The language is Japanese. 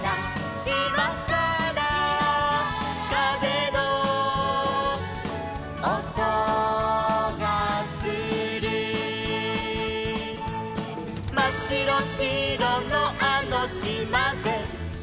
「しまからかぜのおとがする」「まっしろしろのあのしまで」